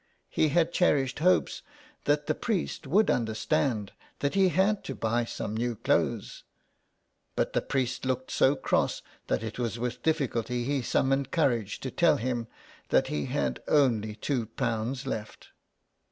He had cherished hopes that the 48 SOxME PARISHIONERS. priest would understand that he had had to buy some new clothes, but the priest looked so cross that it was with difficulty he summoned courage to tell him that he had only two pounds left.